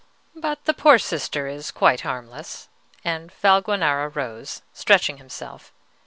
"But the poor Sister is quite harmless;" and Valguanera rose, stretching himself.